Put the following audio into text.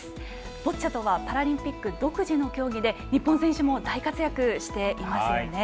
ボッチャとはパラリンピック独自の競技で日本選手も大活躍していますよね。